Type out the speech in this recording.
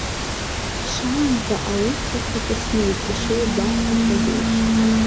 Шаанӡа аусҳәарҭаҿы снеит ишеибаҳҳәахьаз еиԥш.